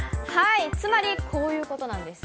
つまりこういうことなんです。